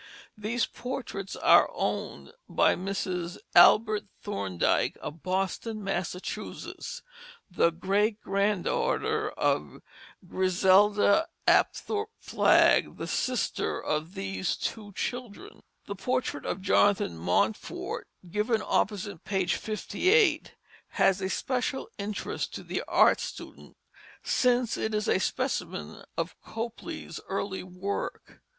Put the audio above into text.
These portraits are owned by Mrs. Albert Thorndike of Boston, Massachusetts, the great granddaughter of Griselda Apthorpe Flagg, the sister of these two children. [Illustration: Ellinor Cordes, Two Years Old, 1740] The portrait of Jonathan Mountfort, given opposite page 58, has a special interest to the art student, since it is a specimen of Copley's early work.